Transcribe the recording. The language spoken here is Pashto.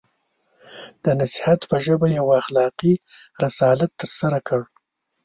د نصیحت په ژبه یو اخلاقي رسالت ترسره کړ.